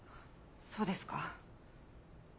そうですか。